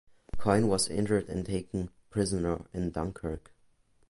Keun was injured and taken prisoner in Dunkirk.